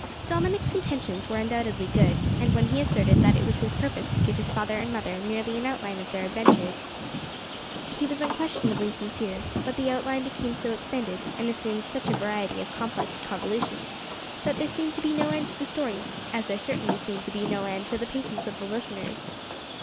Dominick's intentions were undoubtedly good; and when he asserted that it was his purpose to give his father and mother merely an outline of their adventures, he was unquestionably sincere; but the outline became so extended, and assumed such a variety of complex convolutions, that there seemed to be no end to the story as there certainly seemed to be no end to the patience of the listeners.